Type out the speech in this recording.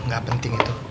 gak penting itu